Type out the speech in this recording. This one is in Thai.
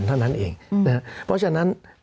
สำหรับกำลังการผลิตหน้ากากอนามัย